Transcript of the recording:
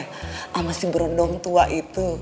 sama si berendom tua ini